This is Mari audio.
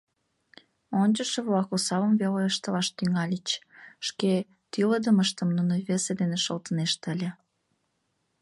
Ончышо-влак осалым веле ыштылаш тӱҥальыч, шке тӱлыдымыштым нуно весе дене шылтынешт ыле.